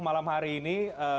malam hari ini